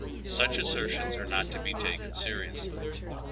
Such as sertions are not to be taken seriously.